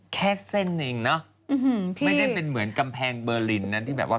แค่เส้นหนึ่งเนอะไม่ได้เป็นเหมือนกำแพงเบอร์ลินนะที่แบบว่า